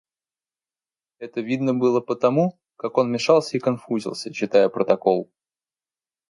Это видно было по тому, как он мешался и конфузился, читая протокол.